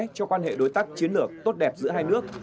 cho quan hệ đối tác chiến lược tốt đẹp giữa hai nước